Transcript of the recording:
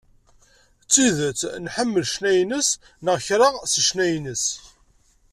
D tidet nḥemmel ccna-ines, neɣ kra seg ccna-ines.